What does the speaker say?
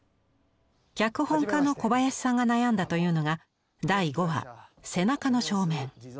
脚本家の小林さんが悩んだというのが第５話「背中の正面」。